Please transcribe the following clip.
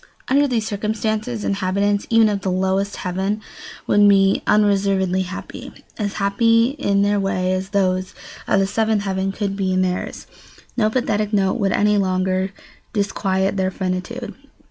Under these circumstances, inhabitants even of the lowest heaven would be unreservedly happy, as happy in their way as those of the seventh heaven could be in theirs. No pathetic note would any longer disquiet their finitude.